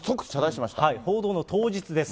報道の当日です。